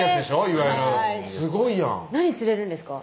いわゆるすごいやん何釣れるんですか？